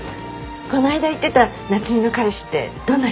こないだ言ってた夏海の彼氏ってどんな人？